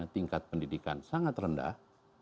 tingkat pendidikan sangat rendah